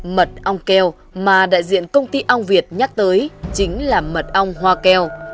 mật ong keo mà đại diện công ty ong việt nhắc tới chính là mật ong hoa keo